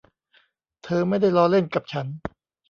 เธอไม่ได้ล้อเล่นกับฉัน